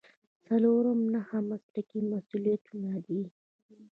څلورم نهه مسلکي مسؤلیتونه دي.